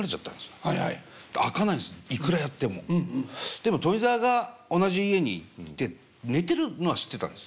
でも富澤が同じ家にいて寝てるのは知ってたんです。